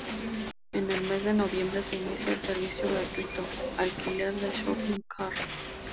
En el mes de noviembre se inicia el servicio gratuito "Alquiler de Shopping Cart".